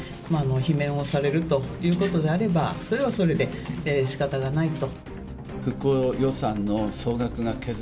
罷免をされるということであれば、それはそれでしかたがないと。